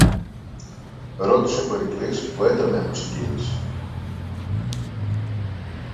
ρώτησε ο Περικλής, που έτρεμε από συγκίνηση.